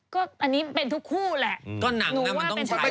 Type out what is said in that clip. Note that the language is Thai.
ก็อันนี้เป็นทุกคู่แหละ